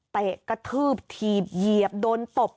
กระทืบถีบเหยียบโดนตบ